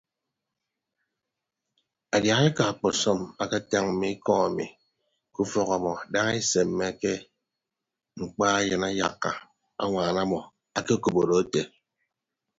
Adiahaeka akpasọm aketañ mme ikọ emi ke ufọk ọmọ daña eseemeke mkpa eyịn ayakka añwaan ọmmọ akekop odo ete.